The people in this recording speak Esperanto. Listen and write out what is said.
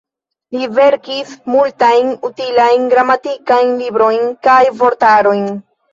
Li verkis multajn utilajn gramatikajn librojn kaj vortarojn.